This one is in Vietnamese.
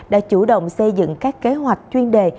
đã chủ động xây dựng các kế hoạch chuyên đề